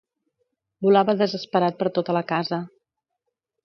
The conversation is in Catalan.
Volava desesperat per tota la casa.